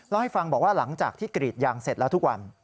เล่าให้ฟังบอกว่าหลังจากที่กรีดยางเสร็จแล้วทุกวัน